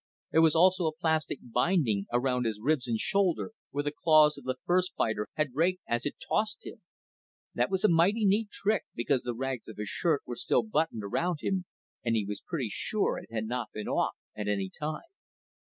There was also a plastic binding around his ribs and shoulder, where the claws of the first fighter had raked as it tossed him. That was a mighty neat trick, because the rags of his shirt were still buttoned around him, and he was pretty sure it had not been off at any time.